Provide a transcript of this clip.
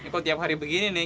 ikut tiap hari begini nih